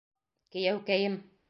Кейәүкәйем!